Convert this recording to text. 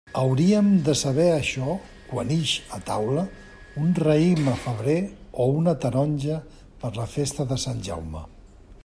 Hauríem de saber això quan ix a taula un raïm a febrer o una taronja per la festa de Sant Jaume.